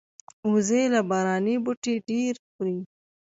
وزې له باراني بوټي ډېر خوري